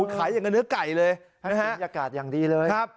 อย่างกับเนื้อไก่เลยบรรยากาศอย่างดีเลย